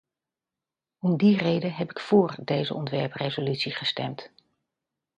Om die reden heb ik voor deze ontwerpresolutie gestemd.